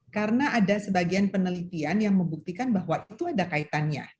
karena ada sebagian penelitian yang membuktikan bahwa itu ada kaitannya